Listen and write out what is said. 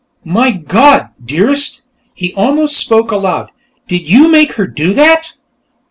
"My God, Dearest!" He almost spoke aloud. "Did you make her do that?"